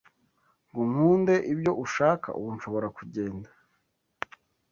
Ngo nkunde ibyo ushaka Ubu nshobora kugenda